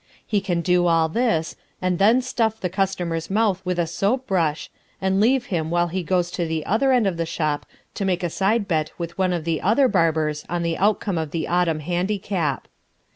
He can do all this, and then stuff the customer's mouth with a soap brush, and leave him while he goes to the other end of the shop to make a side bet with one of the other barbers on the outcome of the Autumn Handicap.